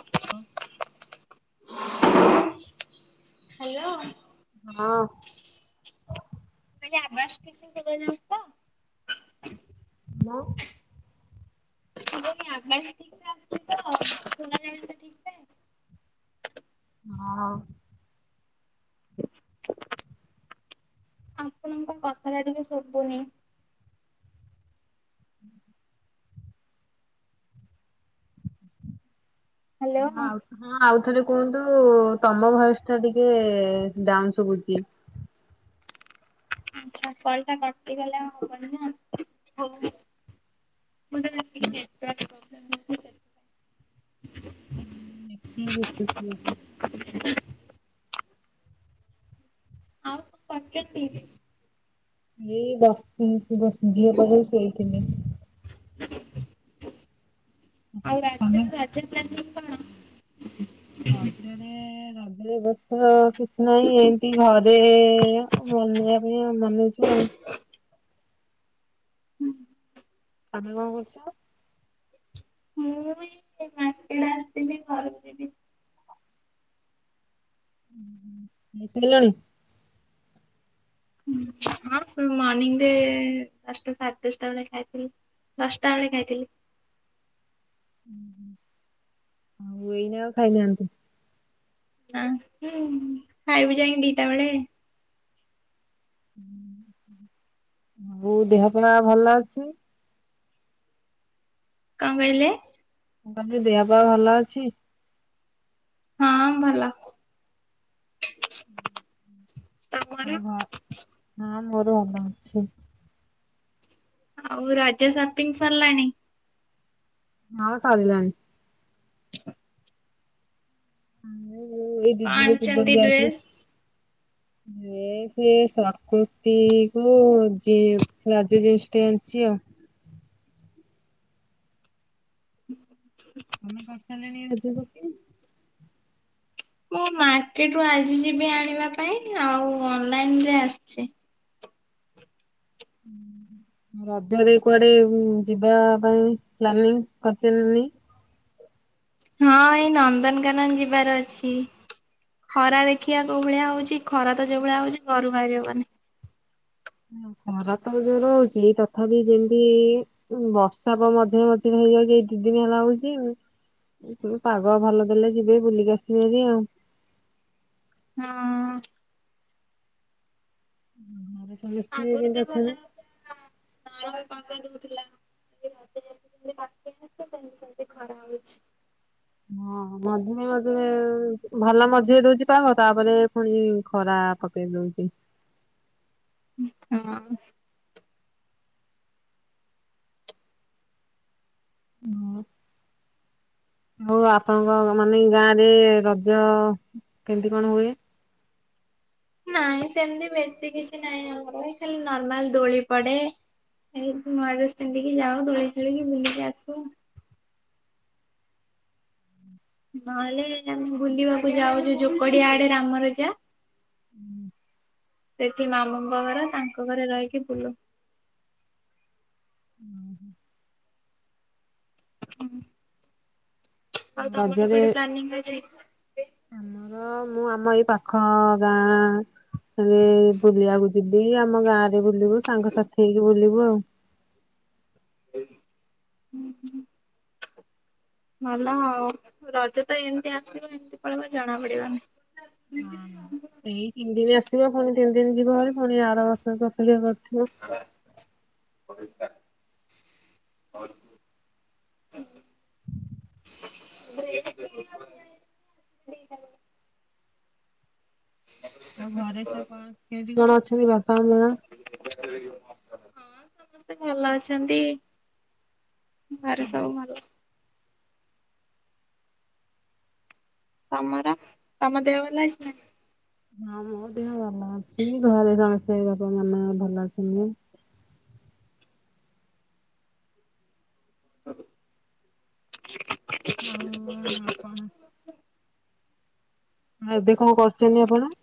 [unintelligible] Hello. ହଁ। ଟିକେ ଆଢବଭାସ୍ teaching ଦେବେନେହିଁତ? [unintelligible] ଆଢଭାନସ୍ ଠିକ୍ ସେ ଆସୁଚି ତ ଶୁନା ଯାଣିଥିବେ ଠିକ୍। ସେ? ହ ଉ। ଆପଣଙ୍କ କଥା ଟା ଟିକେ ଶୁଭୁନି? ହ୍ୟାଲୋ। ଆଉ। ହଁ ଆଉ ଥରେ କୁହନ୍ତୁ ତମ ଭୟେସେ୍ ଟା ଟିକେ ଡାଉନଶୁବୁଚି। ଆଛା କଲ ଟା କଟିଗଲ ଆଉ ହବନି ନା ହଉନି। ମୁଁ ତତେ ରାଖିଦେ ଵି ରାଖି କୁ। [inaudible] ଆଉ ପଞ୍ଚଦିନି। ଏଇ ବସିଥିନି ଦଶ ମିନିଟ୍ ଝିଅ ପାଖରେ ସେଇଥିନି। ଆଉ ରାଜ୍ୟରେ ରଜନିତି ପ୍ଲାନ ତମେ ପୁଣି କଣ? ରାଜ୍ୟରେ ରଜ ଏବର୍ଷ ଆଛି। ନାଇଁ ଏମିତି ଘରେ ବନେଇବା ପାଇଁ ଆ ବସେ ନେଚୁ ଆଉ। ହୁଁ। ତମେ କଁ କରୁଛ। ହୁଁ। ଏଇଟା ଆସ୍ତେ। କାଲି ଘରକୁ ଯିବି। ଉଁ ହୁଁ ମିଶି ଗଲଣି। ହୁଁ ଆଉ ସବୁ ମର୍ଣିିଂ ରେ ଦଶଟା ସାଢ଼େ ଦଶଟା ବେଳେ ଖାଇଥିଲି। ଦଶଟା ବେଳେ ଖାଇଥିଲି। ଉଁ ହୁଁ ଆଉ ଏଇନା ଆଉ ଖାଇନାହାନ୍ତି। ନାଁ ହୁଁ ହୁଁ ହୁଁ ଖାଇବି ଯାଇଁକି ଦିଟା ବେଳେ। ହୁଁ ହଉ ଆଉ ଦେହ ପହା ଭଲ ଅଛି। କଁ କହିଲେ। ମୁଁ କହଲି ଦେହ ପାହ ଭଲ ଅଛି। ହଁ ଭଲ। ତମର ଆଉ ଘ ହଁ ମୋର ଭଲ ଅଛି। ଆଉ ରାଜ ସପିଙ୍ଗ ସରିଲାଣି। ହଁ ସରିଲାଣି। ହଁ ଏ ଯୋଉ ଏଇ କଣ ଦିଦି ପୂର୍ବ ରୁ ଆଣିଛନ୍ତି ଯାଇଥିଲି। ଡ୍ରେସ୍? ଏଇ ସେଇ ସଟ୍ କୃତି କୁ ଜିନ ରଜ ଯୋଗୁ ଷ୍ଟେନ ଚାଲିଚି ଆଉ ହୁଁ। ତମେ କରି ସାରିଲଣି ରଜ ସପିଙ୍ଗ। ମୁଁ ମାର୍କେଟ ରୁ ଆଜି ଯିବି ଆଣିବା ପାଇଁ ଆଉ ଅନଲାଇନରେ ଆସିଛି। [inaudible] ରଜରେ କୁଆଡେ ଯିବା ପାଇଁ ପ୍ଲାନିଂ କରିଚ ନା ନାଇଁ। ହଁ ଏଇ ନନ୍ଦନକାନନ ଯିବାର ଅଛି। ଖରା ଦେଖିବା କୋଉ ଭଳିଆ ହଉଛି ଖରା ତ ଯୋଉ ଭଳିଆ ହଉଛି ଘରୁ ବାହାରି ହବନି। ହୁଁ ଖରା ତଷଯୋର ହଉଛି ତଥାପି ଯେମତି। ବର୍ଷା ପବନ [unintelligible] ଏଇ ଦି ଦିନ ହେଲା ହଉଛି ଏଇ ସବୁ ପାଗ ଭଲ ଦେଲେ ଯିବି ବୁଲିକି ଆସିବି ହାରି ଆଉ। ହଁ। ଘରେ ସମସ୍ତେ ଆଗରୁ କେମିତି ତ ଭଲ। ଅଛନ୍ତି? ନରମ ପାଗ ଦଉଥିଲା ଏବେ ରଜ ଯେମିତି ପାଖେଇ ଆସିଲା ସେମତି ସେମିତି ଖରା ହଉଛି। ହଁ ମଝିରେ ମଝିରେ ଭଲ ମଝିରେ ଦଉଛି ପାଗ ତାପରେ ପୁଣି ଖରା ପା ସେ ଯୋଉଠି। ହୁଁ ହଁ। ହଁ। ଆଉ ଆପଣଙ୍କ ମାନେ ଗାଁ ରେ ରଜ କେମିତି କଣ ହୁଏ। ନାଇଁ ସେମିତି ବେଶୀ କିଛି ନହିଁ ଆମର ଖାଲି ନର୍ମାଲ ଦୋଳି ପଡେ। ଏମତି ନୂଆ ଡ୍ରେସ ପିନ୍ଧିକି ଯାଉ ଦୋଳି ଖେଳିକି ବୁଲିକି ଆସୁ। ନହେଲେ ଆମେ ବୁଲିବାକୁ ଯାଉ ଯୋଉ ଯୋକଡିଆ ଆଡେ ରାମରଜା। ହୁଁ। ସେଠି ମାମୁଁଙ୍କ ଘର ତାଙ୍କ ଘରେ ରହିକି ବୁଲୁ। ଉଁ ହୁଁ। ଆଉ ତମର ରଜରେ କଆଡେ ପ୍ଲାନିଂ ଅଛି। ଆମର ମୁଁ ଆମ ଏଇ ପାଖ ଗାଁ। ହୁଏ ବୁଲିବାକୁ ଯିବି ଆମ ଗାଁ ରେ ବୁଲିବୁ ସାଙ୍ଗସଥି ହେଇକି ବୁଲିବୁ ଆଉ। ହୁଁ ହୁଁ ଭଲ ହଁ ଆଉ ରଜ ତ ଏମିତି ଆସିବ ଏମିତି ପଳେଇବା ଜଣା ପଡିବନି। ସେଇ ତିନି ଦିନ ଆସିବ ପୁଣି ତିନି ଦିନ ଯିବ ଭାରି ପୁଣି ଆର ବର୍ଷ କୁ ଅପେକ୍ଷା କରିଥିବ। [unintelligible] [unintelligible] [unintelligible] ଜଣ ଅଛନ୍ତି ବାପା ମା ହଁ ସମସ୍ତେ ଭଲ ଅଛନ୍ତି। ଘରେ ସବୁ ଭଲ। ତମର ତମ ଦେହ ଭଲ ଅଛି ନା? ହଁ ମୁଁ କିନ୍ତୁ ଭଲ ଅଛି ଘରେ ସମସ୍ତେ ବାପା ମା ମାନେ ଭଲ ଅଛନ୍ତି। ଆଉ ଆପଣ ଆଉ ଏବେ କଣ କରୁଚନ୍ତି ନା? ଆପଣ?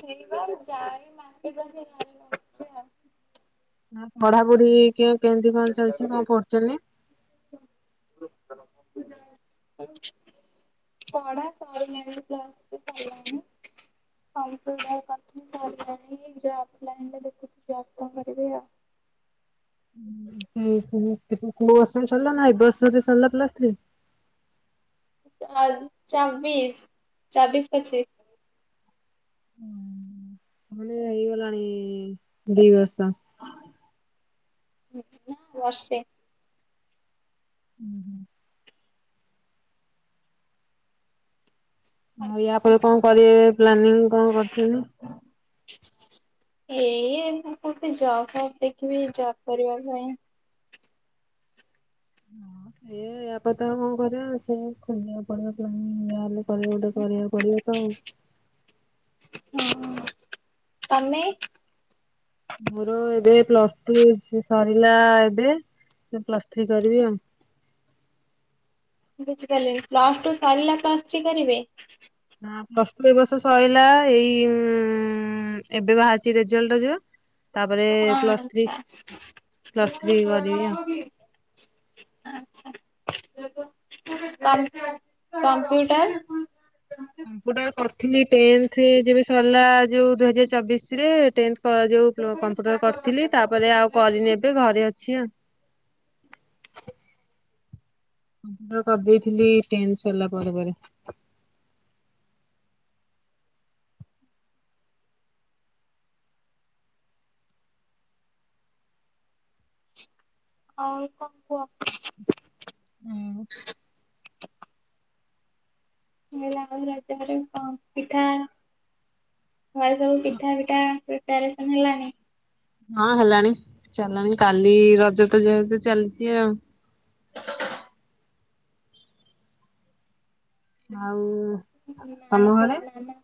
ସେଇବା ଯାଇ ମାର୍କେଟ ରୁ ଆସି ଘରେ ବସଛି ଆଉ। ନା ପଢାପଢି କେ କେମିତି କଣ ଚାଲିଚି ବସିଛି କଣ ପଢିଚନ୍ତି? [unintelligible] ପଢା ସରିଲାଣି ପ୍ଲସ ଥ୍ରୀ ସରିଲାଣି। [unintelligible] ଆ [unintelligible] ପ୍ଲସ ଥ୍ରୀ ସରଲାନା [unintelligible] ପ୍ଲସ ଥ୍ରୀ ଆ ଚବବିଶ ଚବବିଶ ପଚିସି। ହଁ ମାନେ ହେଇଗଲାଣି ଦି ବର୍ଷ। ନା ବର୍ଷେ। ହୁଁ। ଆଉ ୟାପରେ କଣ କରିବେ ପ୍ଲାନିଂ କଣ କରିଚନ୍ତି? ଏଇ କଣ କୋଉଠି ଜବ ଦେଖିବି ଜବ କରିବା ପାଇଁ। ହଁ ସେ ୟାପରେ ତ ଆଉ କଣ କରିବା ସେ ଖୋଜିବାକୁ ପଡିବା ପଡିବ ଯାହେଲେ କରିବା କୁ ତ କରିବାକୁ ପଡିବ ତ ଆଉ। ହଁ ତମେ? ମୋର ଏବେ ପ୍ଲସ ଟୁ ସରିଲା ଏବେ ପ୍ଲସ ଥ୍ରୀ କରିବି ଆଉ। ବୁଝିପାରିଲିନି ପ୍ଲସ ଟୁ ସାରିଲା ପ୍ଲସ ଥ୍ରୀ କରିବେ? ହଁ ପ୍ଲସ ଟୁ ଏ ବର୍ଷ ସରିଲା ଏଇ ଉଁ ହଁ ଏବେ ବାହାରିଚି ରେଜଲ୍ଟ ଯୋଉ ତାପରେ ହୁଁ ପ୍ଲସ୍ ଥ୍ରୀ ଆଛା। ପ୍ଲସ୍ ଥ୍ରୀ ଆଚ୍ଛା। କରିବି ଆଉ। କ କମ୍ପ୍ୟୁଟର କମ୍ପୁଟର କରିଥିଲି ଟେନ୍ଥ ରେ ଯେବେ ସରିଲା ଯୋଉ ଦୁଇ ହଜାର ଚାବିଶି ରେ ଟେନ୍ଥ ଅ ଯୋଉ କମ୍ପ୍ୟୁଟର କରିଥିଲି ତାପରେ ଆଉ କରିନି ଏବେ ଘରେ ଅଛି ଆଉ। ମୁଁ କରିଦେଇଥିଲି ଟେନ୍ଥ ସରିଲା ପରେ ପରେ। ଆଉ କଣ କୁହ। ହୁଁ। ହେଲା [unintelligible] ରଜରେ ପିଠା ଘରେ ସବୁ ପିଠା ମିଠା ପ୍ରିପାରେସନ୍ ହେଲାଣି? ହଁ ହେଲାଣି ଚାଲାଣି କାଲି ରଜ ଟା ଯେହେତୁ ଚାଲିଚି ଆଉ। ଆଉ ନା ତମ ସବୁ ଘରେ? ମାମା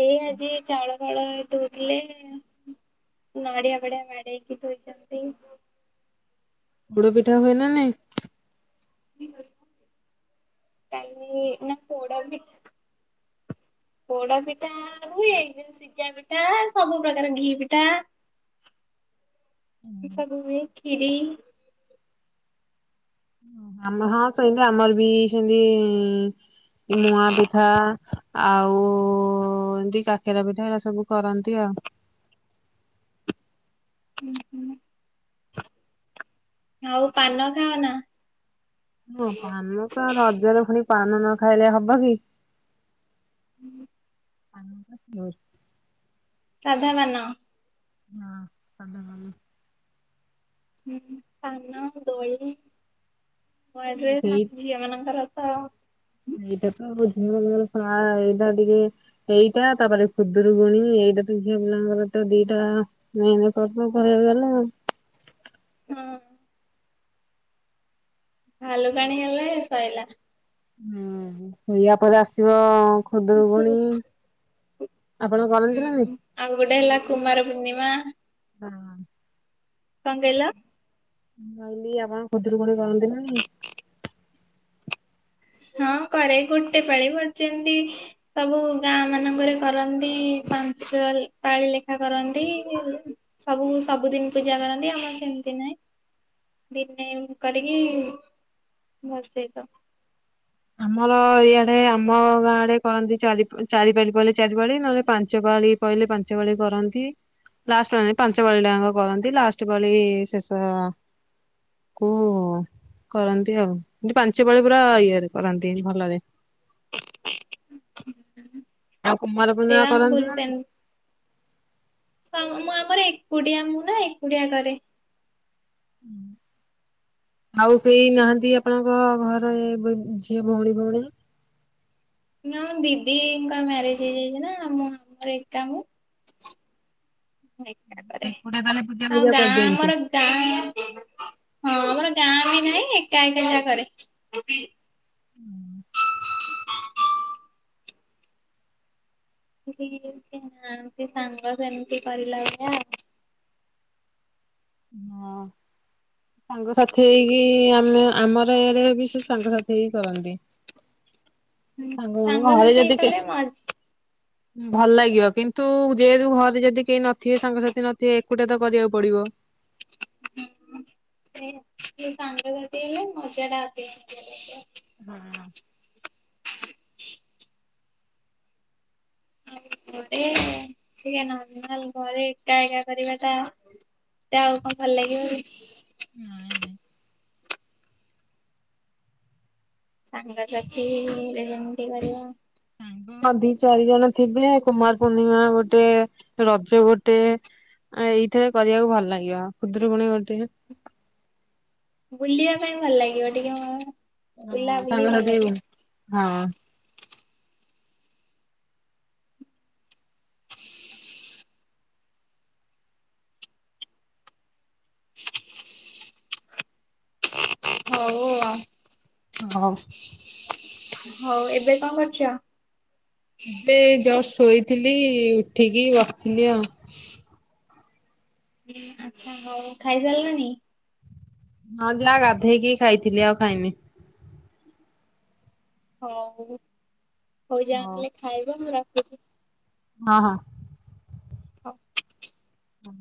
ଏଇ ଆଜି ଯାଇ ଫଳ ଧଉଥିଲେ ନଡିଆ ବଡିଆ ବାଡେଇକି ଧୋଇ ଚନ୍ତି। ପୋଡ ପିଠା ହୁଏନା ନାହିଁ? କାଇ ନା ପଡ ବି ପୋଡା ପିଠା ହୁଏ କିନ୍ତୁ ସିଜା ପିଠା ସବୁ ପ୍ରକାର ଘି ପିଠା। ଏସବୁ ହୁଏ ଖିରି ହଁ ସେଇମତି ଆମର ବି ସେମତି ମୁଆ ପିଠା ଆଉ ଏମିତି କାକେରା ପିଠା ଏା ସବୁ କରନ୍ତି ଆଉ ହୁଁ ହୁଁ ଆଉ ପାନ ଖାଅ ନା? ହଁ ପାନ ତ ରଜରେ ପୁଣି ପାନ ନ ଖାଇଲେ ହବ କି। ହୁଁ ହୁଁ। ଆ [unintelligible] ସାଧା ପାନ। ହଁ ସାଧା ପାନ। ହୁଁ ହୁଁ ପାନ ଦୋଳି ନୂଆ ଡ୍ରେସ୍ ସେଇ ଝିଅ ମାନଙ୍କର। ହଁ [unintelligible] ଏଇଟା ତ ବୁଝିହଉନି ଆଏଇଟା ଟିକେ। ଏଇଟା ତାପରେ ଖୁଦରୁ କୁଣି ଏଇଟା ତ ଝିଅ ପିଲଙ୍କର ତ ଦିଟା ନାଇଁ ନାଇଁ କରୁଥିଲେ କରେଇଦେଲେ ଆଉ। ହୁଁ। ଭାଲୁକାଣି ହେଲେ ଶଇଲା। ହୁଁ ଇଆ ପରେ ଆସିବ ହୁଁ ଖୁଦୁରୁକୁଣି ଆପଣ କରନ୍ତି ନା ନାହିଁ? ଆଉ ଗୋଟେ ହେଲା କୁମାର ପୂର୍ଣ୍ଣିମା ହଁ। କଅଁ କଇଲ? କଇଲିି ଆପଣ ଖୁଦୁରୁକୁଣି କରନ୍ତି ନା ନାହିଁ। ହଁ କରେ ଗୋଟେ ପାଳି ପଡିଛନ୍ତି। ସବୁ ଗାଁ ମାନଙ୍କରେ କରନ୍ତି ପାଞ୍ଚ ପାଳି ଲେଖା କରନ୍ତି। ସବୁ ସବୁଦିନ ପୂଜା କରନ୍ତି ଆମର ସେମିତି ନାହିଁ। ଦିନେ କରିକି ଭସେଇ ଦଉ। ଆମର ଏଇଆଡେ ଆମ ଗାଁଡେ କରନ୍ତି ଚାରିପଳି ଚାରିପଳି ନହେଲେ ପାଞ୍ଚ ବାଳି। କହିଲେ ପାଞ୍ଚ ବଳି କରନ୍ତି। ଲାଷ୍ଟ ବଳେ ପାଞ୍ଚ ପାଳିଟ୍ଟାଙ୍କ କରନ୍ତି ଲାଷ୍ଟ ପାଳି ଶେଷ କୁହ କରନ୍ତି ଆଉ ଏତି ପାଞ୍ଚ ପାଳି ପୁରା ଇଏରେ କରନ୍ତି ଭଲରେ। ଆଉ ସେ କୁମାରପୂର୍ଣ୍ଣିମା ଆମକୁ କରନ୍ତିୁ ନା ନାହିଁ? ସେମତି ମୁଁ ଆମର ଏକୁଡିଆ ମୁଁ ନା ଏକୁଡିଆ କରେ। ଆଉ କେହି ନାହାନ୍ତି ଆପଣଙ୍କ ଘରେ ଝିଅ ଭଉଣୀ ଭଉଣୀ? ନା ଦିଦିଙ୍କ ମ୍ୟାରେଜ ହେଇଯାଇଛି ନା ଆମ ଘରେ ଏକା ମୁଁ। ଏକା କରେ ଗୋଟେ ତାହେଲେ ପୂଜା ଆଉ ଫୂଜା ଗାଁ କରିଦିଅନ୍ତି। ଆମର ଗାଁ ହଁ ଆମର ଗାଁ ବି ନାହିଁ ଏକା ଏକା ଯାକରେ। ହୁଁ। [unintelligible] କେହି ନାହାନ୍ତି ସାଙ୍ଗ ସେମ୍ତି କରିଲା ଭଳିଆ। [unintelligible] ସାଙ୍ଗସାଥି ହେଇକି ଆମେ ଆମର ଏଇଡେ ବି ସେଇ ସାଙ୍ଗସାଥି ହେଇ କରନ୍ତି। ହୁଁ ସାଙ୍ଗମାନଙ୍କ ଘରେ ସାଙ୍ଗସାଥୀ ଯଦି କେ [unintelligible] ମୁଁ [unintelligible] ଭଲ ଲାଗିବ କିନ୍ତୁ ଯେହେତୁ ଘରେ ଯଦି କେହି ନଥିବେ ସାଙ୍ଗସାଥି ନଥିବେ ଏକୁଟଆ ତ କରିଆକୁ ପଡିବ। ହୁଁ ସେ-ସେ ସାଙ୍ଗସାଥି ହେଲେ ମଜା ଟା ଅଧିକା [unintelligible] ହଁ। ଆଉ ଘରେ ଟିକେ ନର୍ମାଲ୍ ଘରେ ଏକା-ଏକା କରିବାଟା ତ ଆଉ କଣ ଭଲ ଲାଗିବି କି। ନାଇଁ-ନାଇଁ। ସାଙ୍ଗାସାଥୀ ରେ ଯେମ୍ତି କରିବା ହଁ ଦି ଚାରି ଜଣ ଥିବେ କୁମାର ପୂର୍ଣ୍ଣିମା ଗୋଟେ ରଜ ଗୋଟେ ଆ ଏଇଥିରେ କରିବାକୁ ଭଲ ଲାଗିବ, ଖୁଦୁରୁକୁୁଣୀ ଗୋଟେ। ବୁଲିବା ପାଇଁ ଭଲ ଲାଗିବ, ଟିକେ ମୁଁ ବୁଲା-ବୁଲିି ଭଲ ଲାଗିବ। ହଁ। ହଉ ଆଉ। ହଁ। ହଉ ଏବେ କଣ କରୁଚ? ଏବେ ଏଇ ଜଷ୍ଟ ଶୋଇଥିଲି ଉଠିକି ବସଥିଲି ଆଉ। ହୁଁ [unintelligible] ହୁଁ ଆଚ୍ଛା ହଉ, ଖାଇସାରିଲଣିି? ହଁ ଯାହା ଗାଧେଇକି ଖାଇଥିଲି, ଆଉ ଖାଇନି। ହଉ-ହଉ ଯା ତାହେଲେ ଖାଇବ, ମୁଁ ରଖୁଚି। ହଁ-ହଁ। ହଉ। ହଁ।